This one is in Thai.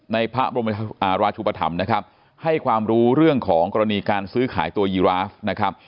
ในพระบรมราชุปธรรมนะครับให้ความรู้เรื่องของกรณีการซื้อขายตัวยีราฟนะครับ